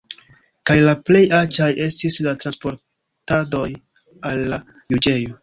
Kaj la plej aĉaj estis la transportadoj al la juĝejo.